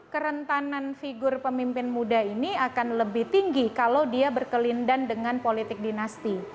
kerentanan figur pemimpin muda ini akan lebih tinggi kalau dia berkelindan dengan politik dinasti